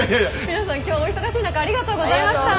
皆さん今日はお忙しい中ありがとうございました。